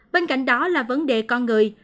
bên cạnh đó là vấn đề con người